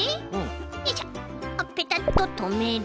よいしょペタッととめる。